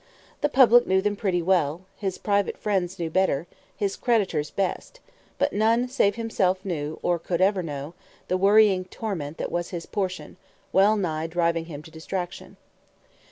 The public knew them pretty well, his private friends knew better, his creditors best; but none, save himself knew, or could ever know, the worrying torment that was his portion, wellnigh driving him to distraction.